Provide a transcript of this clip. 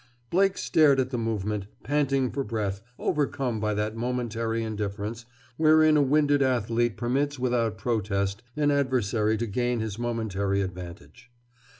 Blake stared at the movement, panting for breath, overcome by that momentary indifference wherein a winded athlete permits without protest an adversary to gain his momentary advantage.